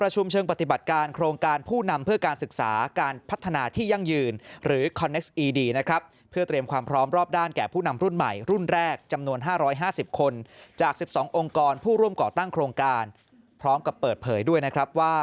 จำนวน๕๕๐คนจาก๑๒องค์กรผู้ร่วมก่อตั้งโครงการพร้อมกับเปิดเผยด้วยนะครับว่า